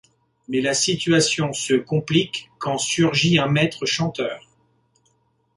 Mais la situation se complique quand surgit un maître chanteur.